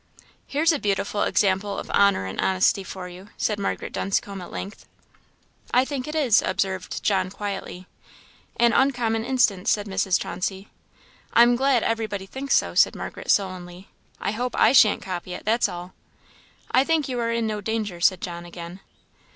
"Here's a beautiful example of honour and honesty for you!" said Margaret Dunscombe, at length. "I think it is," observed John, quietly. "An uncommon instance," said Mrs. Chauncey. "I am glad everybody thinks so," said Margaret, sullenly; "I hope I shan't copy it, that's all." "I think you are in no danger," said John, again.